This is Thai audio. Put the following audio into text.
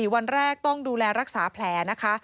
วันแรกต้องดูแลรักษาแผลนะคะ